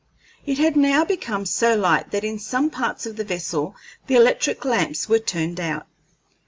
It had now become so light that in some parts of the vessel the electric lamps were turned out.